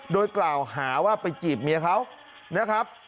โดยกล่าวหาว่าไปจีบเมียเขานะครับ